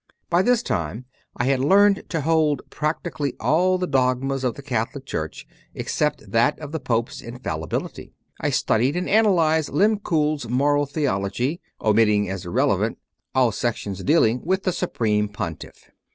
By this time I had learned to hold practically all the dogmas of the Catholic Church except that of the Pope s Infallibility. I studied and analyzed Lehm kuhl s "Moral Theology," omitting as irrelevant all CONFESSIONS OF A CONVERT 67 sections dealing with the Supreme Pontiff.